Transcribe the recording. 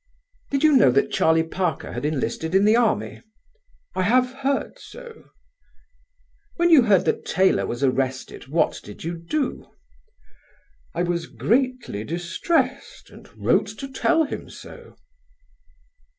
"Did you know that Charlie Parker had enlisted in the Army?" "I have heard so." "When you heard that Taylor was arrested what did you do?" "I was greatly distressed and wrote to tell him so."